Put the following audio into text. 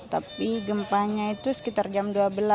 tapi gempanya itu sekitar jam dua belas